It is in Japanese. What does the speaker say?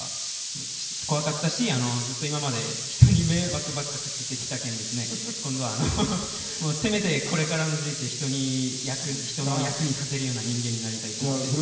怖かったしずっと今まで人に迷惑ばっかかけてきたけんですね今度はせめてこれからの人生人の役に立てるような人間になりたいと思って。